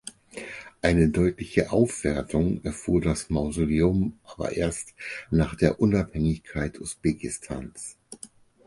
Eine deutliche Aufwertung erfuhr das Mausoleum aber erst nach der Unabhängigkeit Usbekistans.